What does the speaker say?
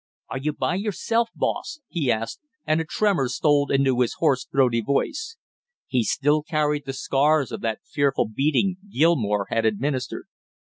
"Are you by yourself, boss?" he asked, and a tremor stole into his hoarse throaty voice. He still carried the scars of that fearful beating Gilmore had administered.